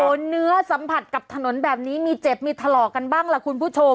เนื้อสัมผัสกับถนนแบบนี้มีเจ็บมีถลอกกันบ้างล่ะคุณผู้ชม